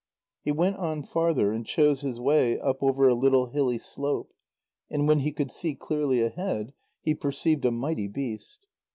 He went on farther, and chose his way up over a little hilly slope, and when he could see clearly ahead, he perceived a mighty beast.